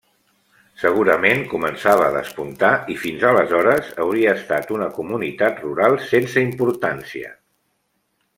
Segurament començava a despuntar i fins aleshores hauria estat una comunitat rural sense importància.